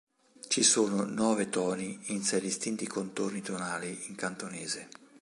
Ci sono nove toni in sei distinti contorni tonali in cantonese.